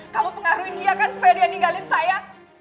kamu pengaruhin dia kan supaya dia ninggalin saya